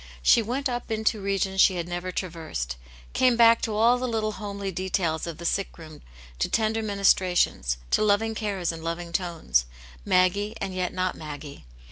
She went up into regions she had nevef traversed ; came back to all the little homely details of the sick room, to tender ministrations, to loving cares and loving tones; Maggie, and yet not Maggie.